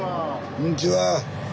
こんにちは。